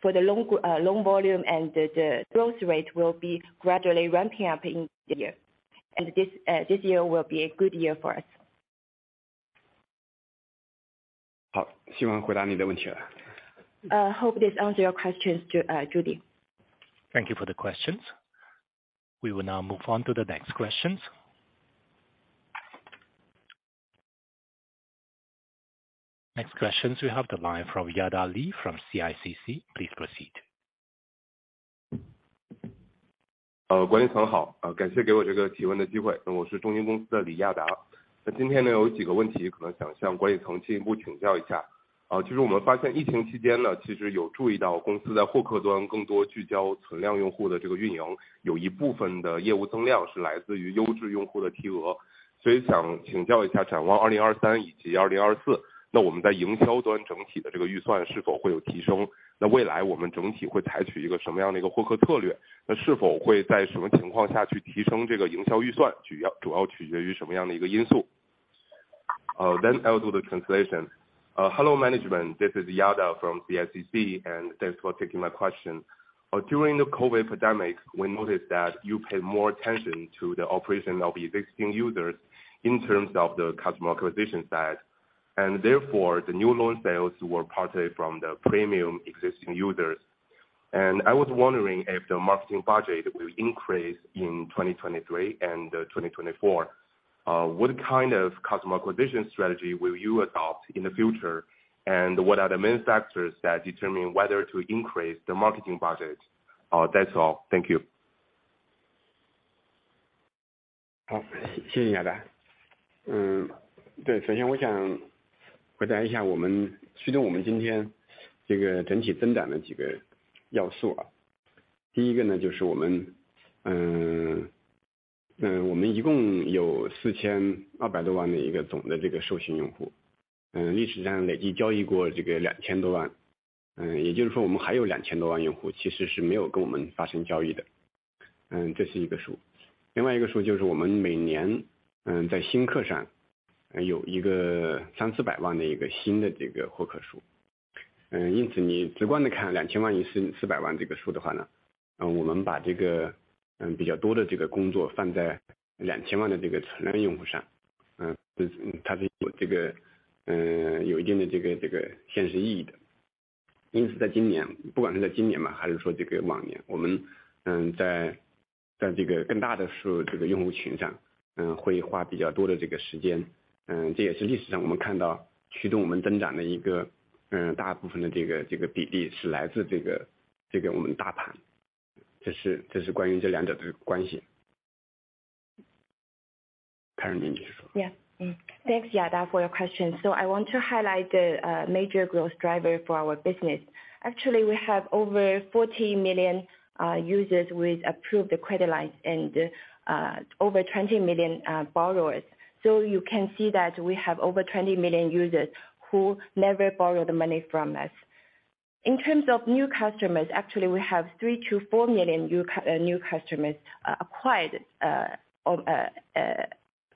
for the loan volume and the growth rate will be gradually ramping up in this year. This year will be a good year for us. 希望回答你的问题了。Hope this answers your questions Judy. Thank you for the questions. We will now move on to the next questions. Next questions we have the line from Yada Li from CICC. Please proceed. 呃， 管理层 好， 感谢给我这个提问的机 会， 我是中信公司的李亚达。那今天 呢， 有几个问题可能想向管理层进一步请教一 下， 呃， 其实我们发现疫情期间 呢， 其实有注意到公司在获客端更多聚焦存量用户的这个运 营， 有一部分的业务增量是来自于优质用户的提 额， 所以想请教一下展望2023以及 2024， 那我们在营销端整体的这个预算是否会有提 升？ 那未来我们整体会采取一个什么样的一个获客策 略？ 那是否会在什么情况下去提升这个营销预 算， 取要--主要取决于什么样的一个因 素？ Then I will do the translation. Hello management, this is Yada from CICC, and thanks for taking my question. During the COVID pandemic, we noticed that you paid more attention to the operation of existing users in terms of the customer acquisition side, and therefore the new loan sales were partly from the premium existing users. I was wondering if the marketing budget will increase in 2023 and 2024. What kind of customer acquisition strategy will you adopt in the future? What are the main factors that determine whether to increase the marketing budget? That's all. Thank you. 好， 谢谢 Yada。嗯， 对， 首先我想回答一下我们驱动我们今天这个整体增长的几个要素。第一个 呢， 就是我 们， 嗯， 嗯， 我们一共有四千二百多万的一个总的这个授信用 户， 嗯， 历史上累计交易过这个两千多 万， 嗯， 也就是说我们还有两千多万用户其实是没有跟我们发生交易 的， 嗯， 这是一个数。另外一个数就是我们每 年， 嗯， 在新客上有一个三四百万的一个新的这个获客数。嗯， 因此你直观地看两千万与四百四百万这个数的话 呢， 嗯， 我们把这 个， 嗯， 比较多的这个工作放在两千万的这个存量用户 上， 嗯， 就是它是这 个， 嗯， 有一定的这 个， 这个现实意义的。因 此， 在今 年， 不管是在今年 吗， 还是说这个往 年， 我 们， 嗯， 在， 在这个更大的数这个用户群 上， 嗯， 会花比较多的这个时 间， 嗯， 这也是历史上我们看到驱动我们增长的一 个， 嗯， 大部分的这 个， 这个比例是来自这 个， 这个我们大 盘， 这 是， 这是关于这两者的关系。Karen 你来说。Thanks Yada for your question. I want to highlight the major growth driver for our business. Actually, we have over 40 million users with approved credit lines and over 20 million borrowers. You can see that we have over 20 million users who never borrowed the money from us. In terms of new customers, actually we have three million-four million new customers acquired on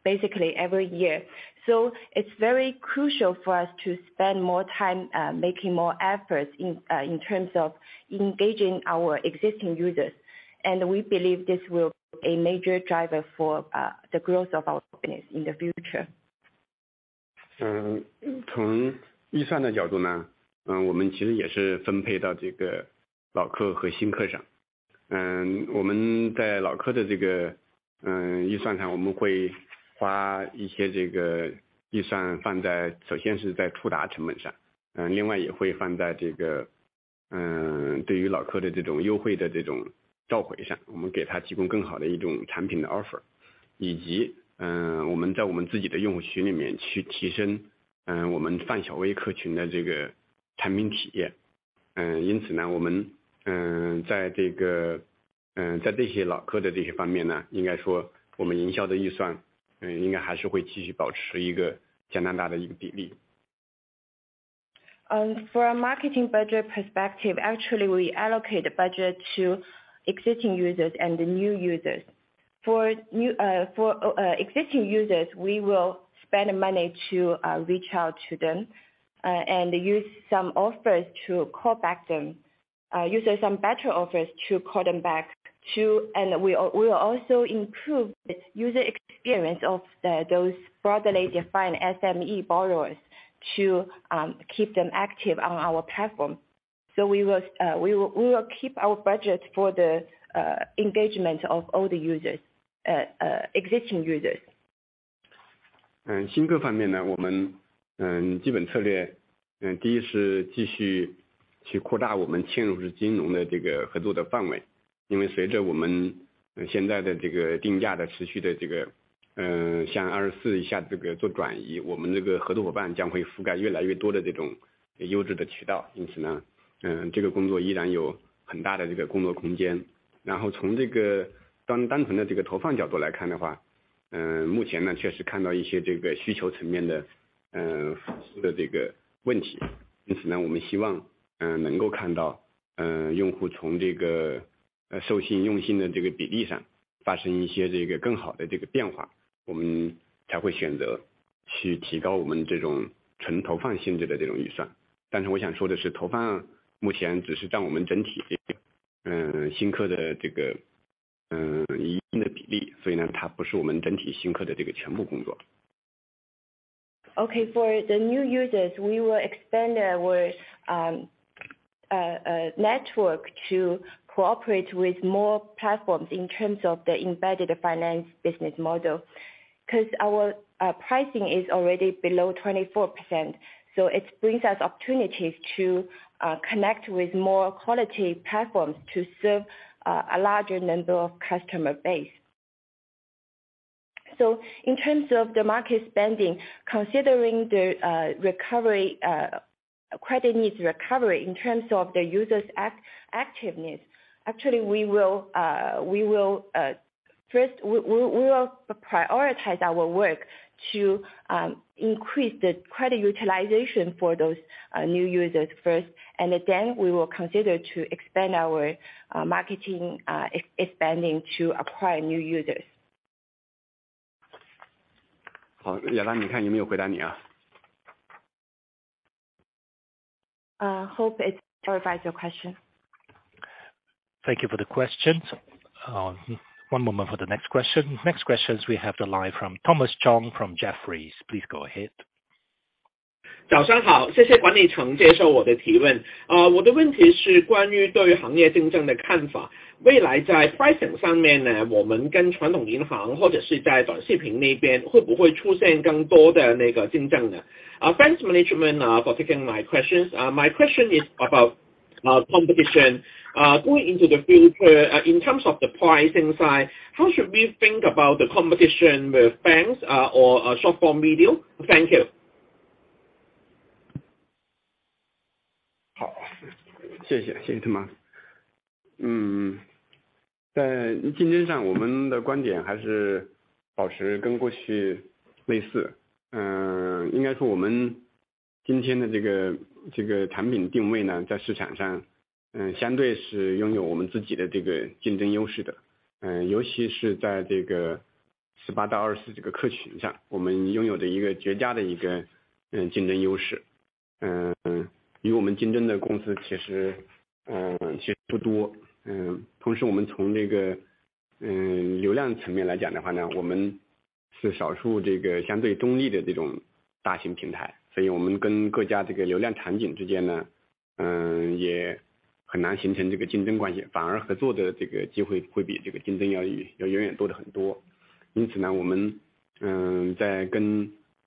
basically every year. It's very crucial for us to spend more time making more efforts in in terms of engaging our existing users. We believe this will be a major driver for the growth of our business in the future. 嗯， 从预算的角度 呢， 嗯， 我们其实也是分配到这个老客和新客 上， 嗯， 我们在老客的这 个， 嗯， 预算 上， 我们会花一些这个预算放在首先是在触达成本 上， 嗯， 另外也会放在这 个， 嗯， 对于老客的这种优惠的这种召回 上， 我们给他提供更好的一种产品的 offer， 以 及， 嗯， 我们在我们自己的用户群里面去提 升， 嗯， 我们泛小微客群的这个产品体验。嗯， 因此 呢， 我 们， 嗯， 在这 个， 嗯， 在这些老客的这些方面 呢， 应该说我们营销的预 算， 嗯， 应该还是会继续保持一个相当大的一个比例。From a marketing budget perspective, actually we allocate the budget to existing users and the new users. For existing users, we will spend money to reach out to them, and use some offers to call back them, use some better offers to call them back to, and we will also improve the user experience of those broadly defined SME borrowers to keep them active on our platform. We will keep our budget for the engagement of all the users, existing users. Okay. For the new users, we will expand our network to cooperate with more platforms in terms of the embedded finance business model. 'Cause our pricing is already below 24%, so it brings us opportunities to connect with more quality platforms to serve a larger number of customer base. In terms of the market spending, considering the recovery, credit needs recovery in terms of the users activeness, actually we will first we will prioritize our work to increase the credit utilization for those new users first, and then we will consider to expand our marketing expending to acquire new users. Hope it clarifies your question. Thank you for the question. One moment for the next question. Next questions we have the line from Thomas Chong from Jefferies. Please go ahead. Thanks management for taking my questions. My question is about competition going into the future, in terms of the pricing side, how should we think about the competition with banks or short form video? Thank you.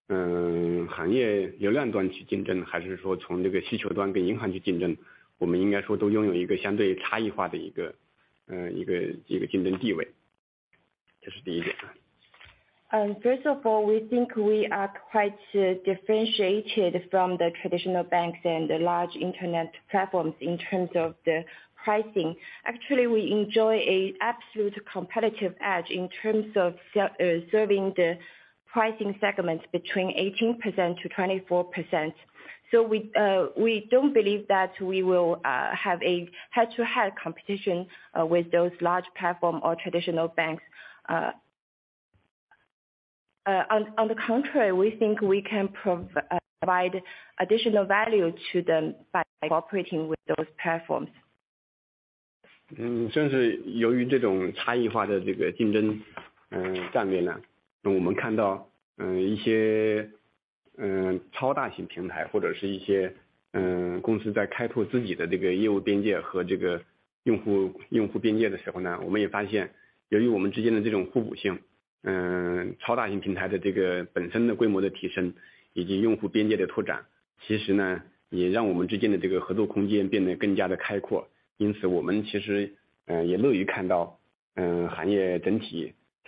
First of all, we think we are quite differentiated from the traditional banks and the large internet platforms in terms of the pricing. Actually, we enjoy a absolute competitive edge in terms of serving the pricing segments between 18%-24%. We don't believe that we will have a head-to-head competition with those large platform or traditional banks. On the contrary, we think we can provide additional value to them by cooperating with those platforms.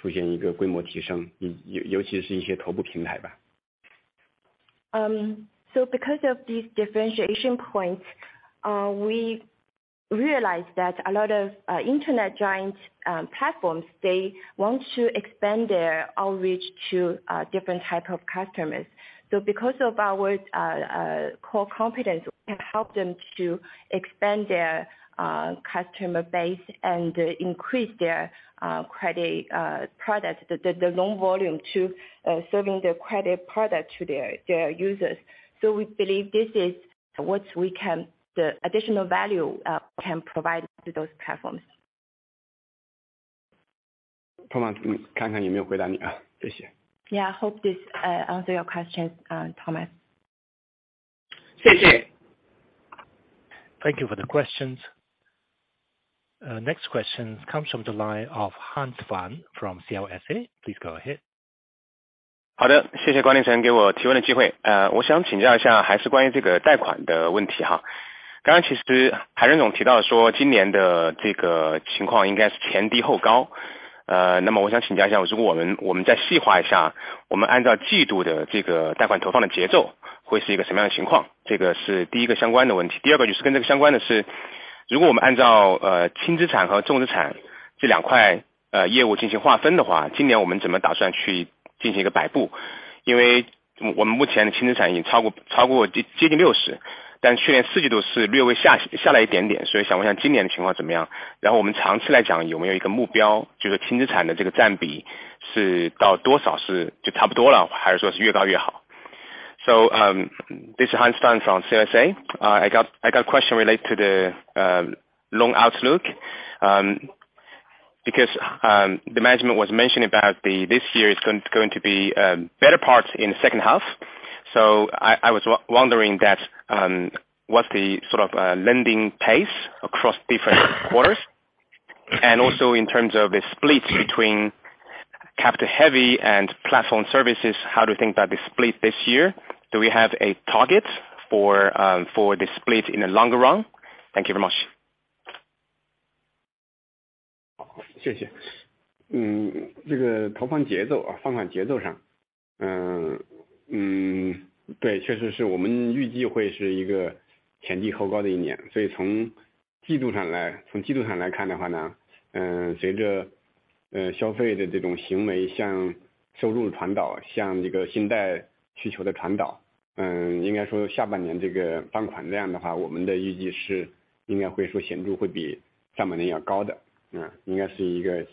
Because of these differentiation points, we realized that a lot of internet giant platforms, they want to expand their outreach to different type of customers. Because of our core competence, we can help them to expand their customer base and increase their credit product, the loan volume to serving their credit product to their users. We believe this is what the additional value can provide to those platforms. Thomas 看看有没有回答你 啊， 谢谢。Yeah, hope this answer your question Thomas. 谢谢。Thank you for the questions. Next question comes from the line of Hans Fan from CLSA, please go ahead. 好 的， 谢谢冠城给我提问的机会。我想请教一 下， 还是关于这个贷款的问题哈。刚刚其实海总提到说今年的这个情况应该是前低后高。那么我想请教一 下， 如果我们再细化一 下， 我们按照季度的这个贷款投放的节奏会是一个什么样的情 况？ 这个是第一个相关的问题。第二个就是跟这个相关的 是， 如果我们按照轻资产和重资产这两块业务进行划分的 话， 今年我们怎么打算去进行一个摆 布？ 因为我们目前的轻资产已经超过接近 60， 但去年 Q4 是略微下来一点 点， 所以想问下今年的情况怎么 样？ 然后我们长期来讲有没有一个目 标， 就是轻资产的这个占比是到多少是就差不多 了， 还是说是越高越好。This is Hans Fan from CLSA. I got question relate to the long outlook because the management was mentioned about the this year is going to be better part in second half. I was wondering that's what's the sort of lending pace across different quarters? Also in terms of the split between capital-heavy and platform services, how do you think that the split this year? Do we have a target for for the split in the longer run? Thank you very much. 谢谢。这个投放节 奏， 放款节奏上。对， 确实是我们预计会是一个前低后高的一年。从季度上来看的话 呢， 随着消费的这种行为向收入的传 导， 向这个信贷需求的传 导， 应该说下半年这个放款量的 话， 我们的预计是应该会说显著会比上半年要高 的， 应该是一个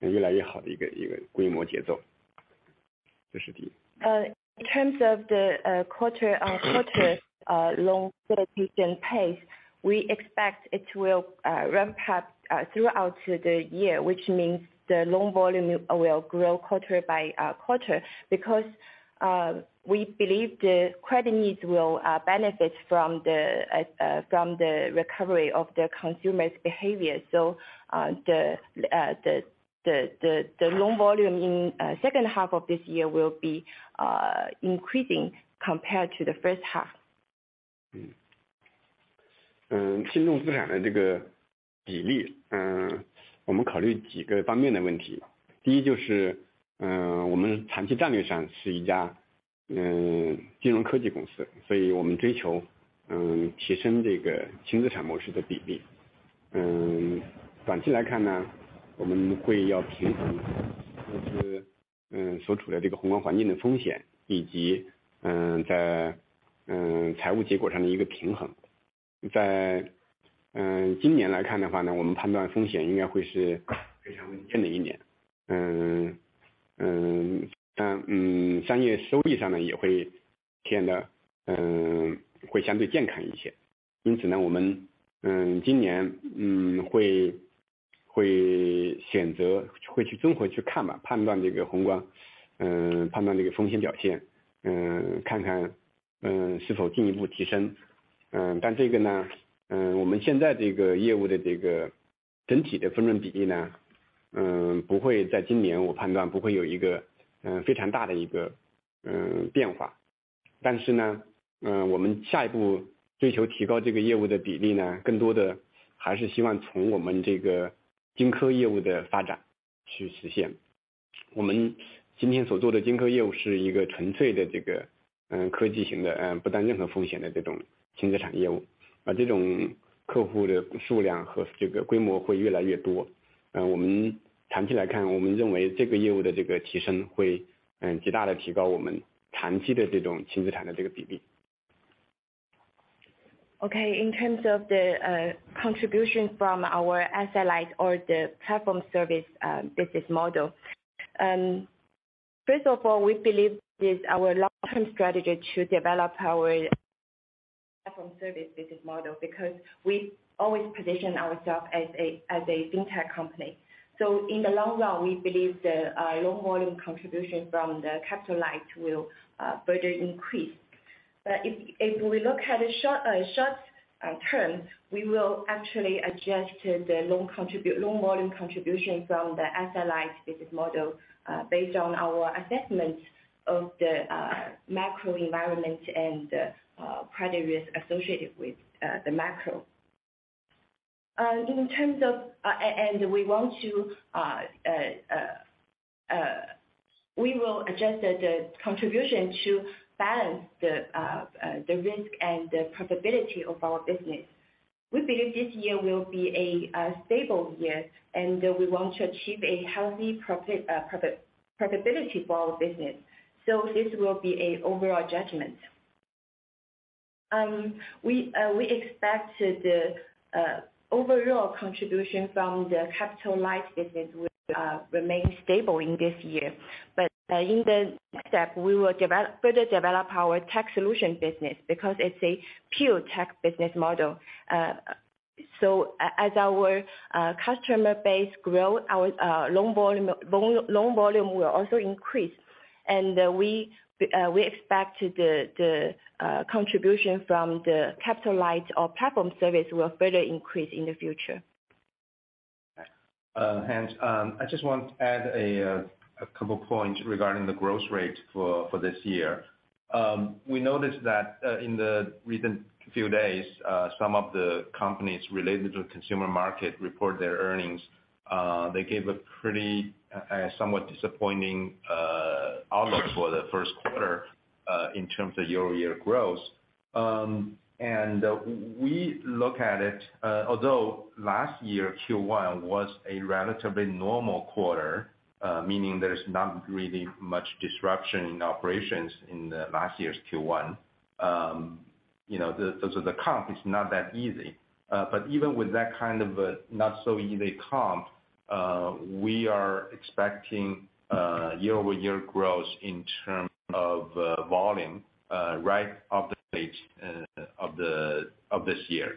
越来越好的一个规模节 奏， 这是第一。In terms of the quarter-on-quarter loan facilitation pace, we expect it will ramp up throughout the year, which means the loan volume will grow quarter by quarter because we believe the credit needs will benefit from the recovery of the consumers' behavior. The loan volume in second half of this year will be increasing compared to the first half. 嗯嗯轻重资产的这个比 例， 嗯，我们考虑几个方面的问题。第一就 是， 嗯， 我们长期战略上是一家 嗯， 金融科技公 司， 所以我们追 求， 嗯， 提升这个轻资产模式的比例。嗯， 短期来看 呢， 我们会要平衡就是 嗯， 所处的这个宏观环境的风 险， 以及 嗯， 在 嗯， 财务结果上的一个平衡。在 嗯， 今年来看的话 呢， 我们判断风险应该会是非常稳健的一年。嗯， 嗯， 但 嗯， 商业收益上 呢， 也会显 得， 嗯， 会相对健康一些。因此 呢， 我们 嗯， 今年 嗯， 会， 会选 择， 会去综合去看 吧， 判断这个宏 观， 嗯， 判断这个风险表 现， 嗯， 看 看， 嗯， 是否进一步提 升， 嗯， 但这个呢， 嗯， 我们现在这个业务的这个整体的分润比例 呢， 嗯， 不会在今年我判断不会有一个嗯非常大的一个嗯变化。但是 呢， 嗯， 我们下一步追求提高这个业务的比例 呢， 更多的还是希望从我们这个金科业务的发展去实现。我们今天所做的金科业务是一个纯粹的这个嗯科技型 的， 嗯不担任何风险的这种轻资产业务，而这种客户的数量和这个规模会越来越多。嗯， 我们长期来 看， 我们认为这个业务的这个提升会嗯极大地提高我们长期的这种轻资产的这个比例。Okay, in terms of the contribution from our capital-light or the platform service business model. First of all, we believe it's our long term strategy to develop our platform service business model, because we always position ourselves as a fintech company. In the long run, we believe the loan volume contribution from the capital-light will further increase. If we look at the short term, we will actually adjust the loan volume contribution from the capital-light business model based on our assessment of the macro environment and the credit risk associated with the macro. In terms of... We want to we will adjust the contribution to balance the risk and the profitability of our business. We believe this year will be a stable year and we want to achieve a healthy profitability for our business. This will be a overall judgment. We expect to the overall contribution from the capital-light business will remain stable in this year. In the next step, we will further develop our tech solution business because it's a pure tech business model. As our customer base grow, our loan volume will also increase. We expect to the contribution from the capital-light or platform service will further increase in the future. I just want to add a couple points regarding the growth rate for this year. We noticed that in the recent few days, some of the companies related to consumer market report their earnings, they gave a pretty somewhat disappointing outlook for the first quarter in terms of year-over-year growth. We look at it, although last year, Q1 was a relatively normal quarter, meaning there's not really much disruption in operations in the last year's Q1. You know, the comp is not that easy. Even with that kind of not so easy comp, we are expecting year-over-year growth in term of volume right off the page of this year.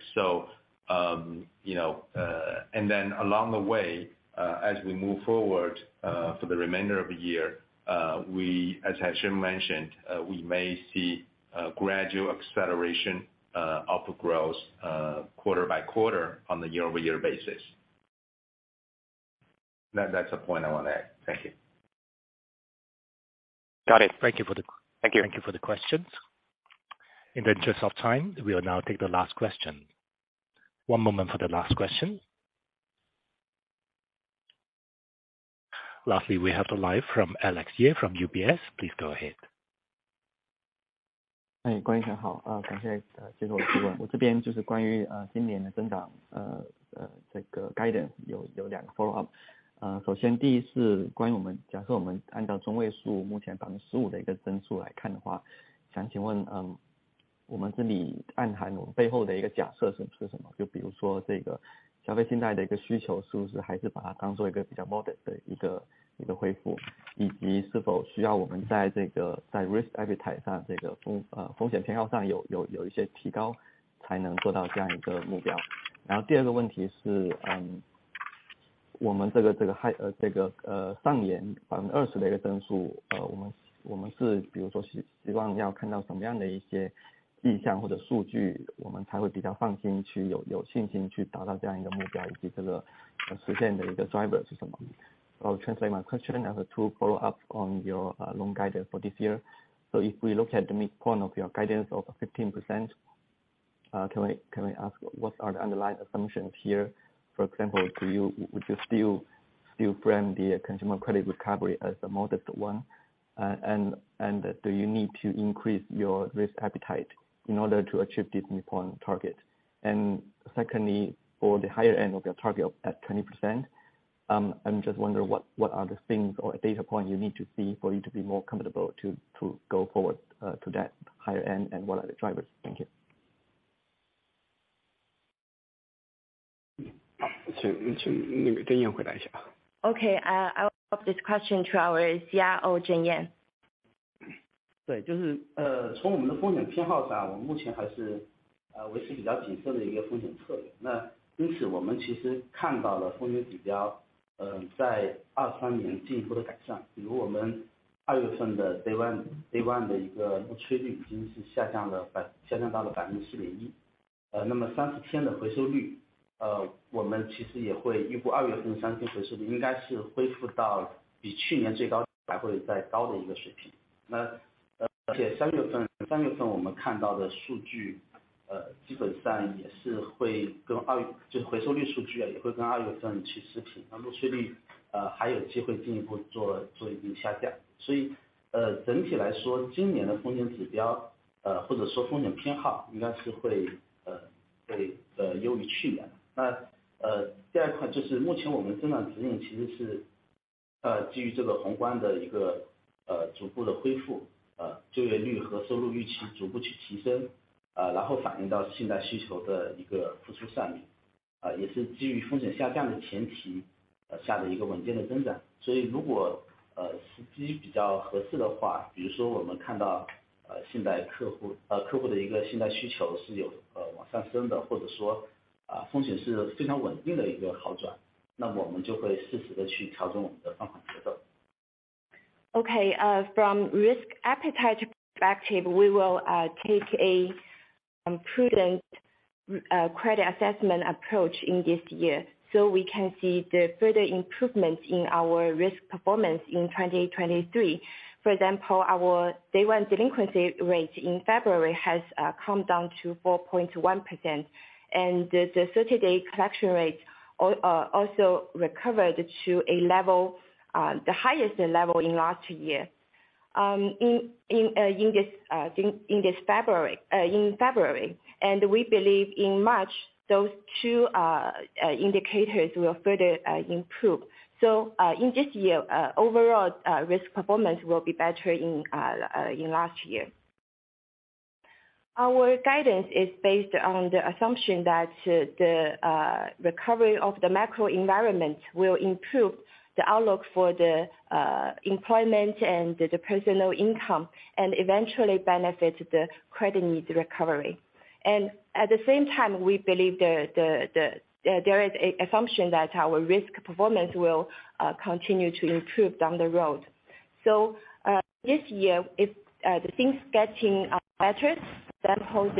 You know, along the way, as we move forward, for the remainder of the year, As Haisheng mentioned, we may see a gradual acceleration of growth, quarter by quarter on the year-over-year basis. That's a point I wanna add. Thank you. Got it. Thank you for. Thank you. Thank you for the questions. In the interest of time, we will now take the last question. One moment for the last question. Lastly, we have a live from Alex Xu from UBS. Please go ahead. I'll translate my question. I have to follow up on your loan guidance for this year. If we look at the midpoint of your guidance of 15%, can we ask what are the underlying assumptions here? For example, would you still frame the consumer credit recovery as the modest one? Do you need to increase your risk appetite in order to achieve this midpoint target? Secondly, for the higher end of your target at 20%, I'm just wondering what are the things or data point you need to see for you to be more comfortable to go forward to that higher end? What are the drivers? Thank you. Okay, I'll put this question to our CRO, Zheng Yan. I'll translate my question. I have to follow up on your loan guidance for this year. If we look at the midpoint of your guidance of 15%, can we ask what are the underlying assumptions here? For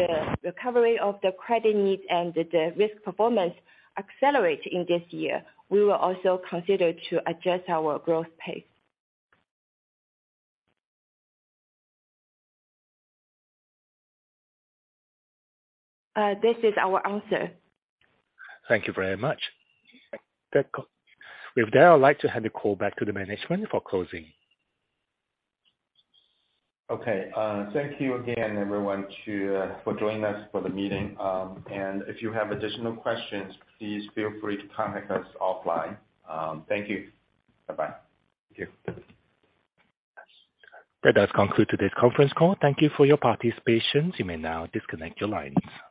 example, would you still frame the consumer credit recovery as the modest one? And do you need to increase your risk appetite in order to achieve this midpoint target? Secondly, for the higher end of your target at 20%, I'm just wondering what are the things or data point you need to see for you to be more comfortable to go forward to that higher end? What are the drivers? Thank you.